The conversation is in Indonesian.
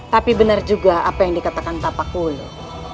tapi benar juga apa yang dikatakan tapak ulu